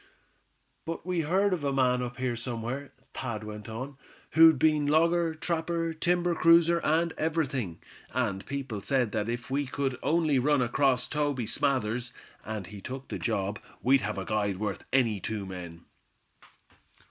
"But we heard of a man up here somewhere," Thad went on, "who'd been logger, trapper, timber cruiser and everything; and people said that if we could only run across Toby Smathers, and he took the job, we'd have a guide worth any two men."